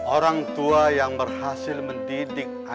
orang tua yang berhasil mendidik anak anaknya menjadi orang tua